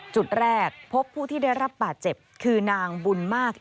จุดแรกพบผู้ที่ได้รับบาดเจ็บคือนางบุญมาก